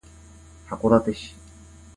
函館市